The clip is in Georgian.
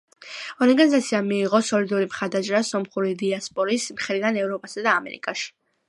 ორგანიზაციამ მიიღო სოლიდური მხარდაჭერა სომხური დიასპორის მხრიდან ევროპასა და ამერიკაში.